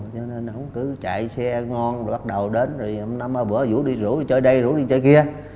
cho nên ổng cứ chạy xe ngon bắt đầu đến hôm nay bữa rủ đi rủ đi chơi đây rủ đi chơi kia